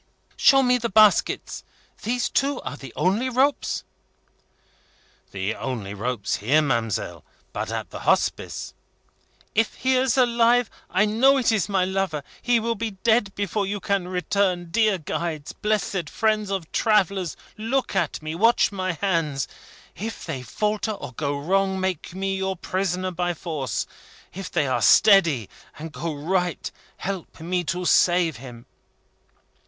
"Show me the baskets. These two are the only ropes?" "The only ropes here, ma'amselle; but at the Hospice " "If he is alive I know it is my lover he will be dead before you can return. Dear Guides! Blessed friends of travellers! Look at me. Watch my hands. If they falter or go wrong, make me your prisoner by force. If they are steady and go right, help me to save him!"